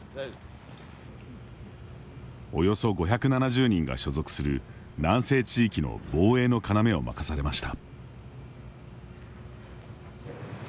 およそ５７０人が所属する南西地域の防衛の要を任されました。